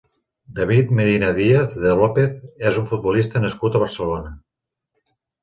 David Medina Díaz de López és un futbolista nascut a Barcelona.